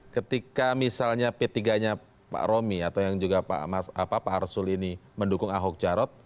ketika misalnya p tiga nya pak romi atau yang juga pak arsul ini mendukung ahok jarot